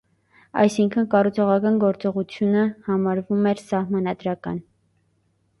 Այսինքն՝ կառուցողական գործողությունը համարվում էր սահմանադրական։